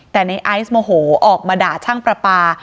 แต่ในไอซ์โมโหออกมาด่าช่างประปา